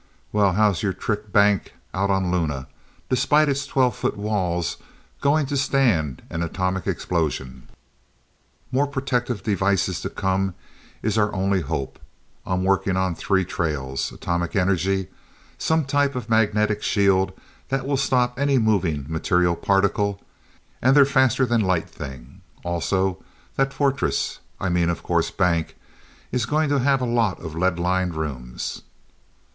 "Well, how's your trick 'bank' out on Luna, despite its twelve foot walls, going to stand an atomic explosion?" "More protective devices to come is our only hope. I'm working on three trails: atomic energy, some type of magnetic shield that will stop any moving material particle, and their faster than light thing. Also, that fortress I mean, of course, bank is going to have a lot of lead lined rooms."